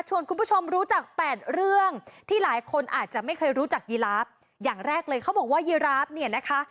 คุณผู้ชมรู้จักแปดเรื่องที่หลายคนอาจจะไม่เคยรู้จักยีราฟอย่างแรกเลยเขาบอกว่ายีราฟเนี่ยนะคะ